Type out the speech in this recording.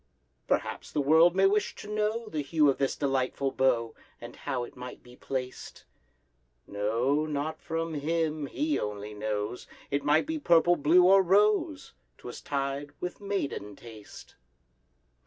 Perhaps the world may wish to know The hue of this delightful bow, And how it might be placed: No, not from him, he only knows— It might be purple, blue, or rose,— 'Twas tied—with maiden taste.